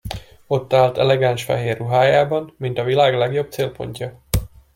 Ott állt elegáns fehér ruhájában, mint a világ legjobb célpontja.